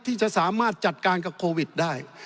ที่จะสามารถจัดการกับโควิดได้